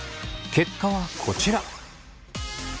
結果はこちら。